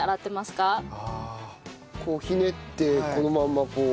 こうひねってこのまんまこう。